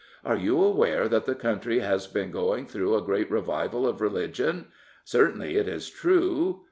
Are you aware that the country has been going through a great revival of religion ? Certainly it is true.